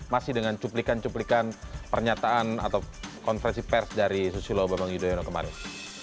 masih dengan cuplikan cuplikan pernyataan atau konferensi pers dari susilo bambang yudhoyono kemarin